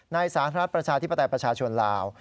สหรัฐประชาธิปไตยประชาชนลาว